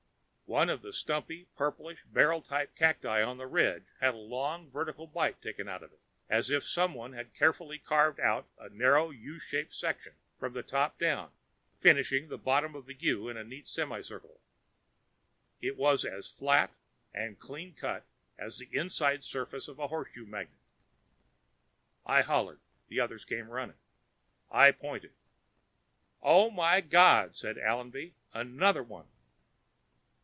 One of the stumpy, purplish, barrel type cacti on the ridge had a long vertical bite out of it ... as if someone had carefully carved out a narrow U shaped section from the top down, finishing the bottom of the U in a neat semicircle. It was as flat and cleancut as the inside surface of a horseshoe magnet. I hollered. The others came running. I pointed. "Oh, my God!" said Allenby. "Another one."